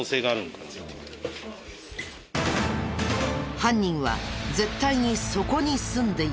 犯人は絶対にそこに住んでいる。